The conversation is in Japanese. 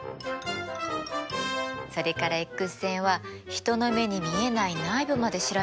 それからＸ線は人の目に見えない内部まで調べることができるの。